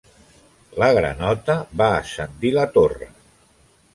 La granota va ascendir la torre.